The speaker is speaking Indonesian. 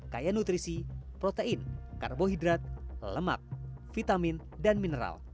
kaya nutrisi protein karbohidrat lemak vitamin dan mineral